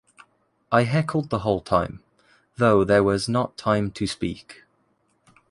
I heckled the whole time, though there was not time to speak.